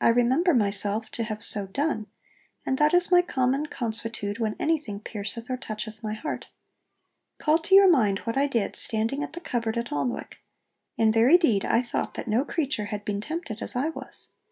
I remember myself to have so done, and that is my common consuetude when anything pierceth or toucheth my heart. Call to your mind what I did standing at the cupboard at Alnwick: in very deed I thought that no creature had been tempted as I was.